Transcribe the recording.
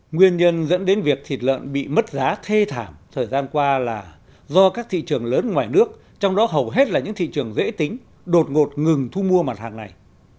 nguyên nhân dẫn đến việc thịt lợn bị mất giá thê thảm thời gian qua là do các thị trường lớn ngoài nước trong đó hầu hết là những thị trường dễ tính đột ngột ngừng thu mua mặt hàng này